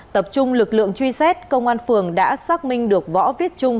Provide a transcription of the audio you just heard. tập trung lực lượng truy xét công an phường đã xác minh được võ viết trung